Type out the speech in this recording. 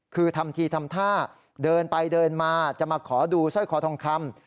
คือทำทีทำท่าเดินไปเดินมาจะมาขอดูสร้อยคอทองคำ